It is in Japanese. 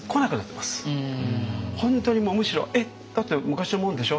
本当にむしろ「えっだって昔のもんでしょ？